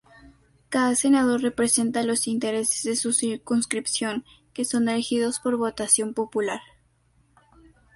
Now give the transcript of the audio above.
Cada senador representa los intereses de su circunscripción, que son elegidos por votación popular.